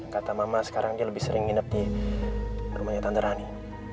kata mama sekarang dia lebih sering nginep di rumahnya tante rani